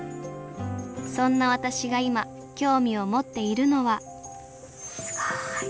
そんな私が今興味を持っているのはすごい。